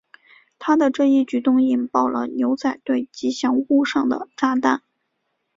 他的这一举动引爆了牛仔队吉祥物上的炸弹。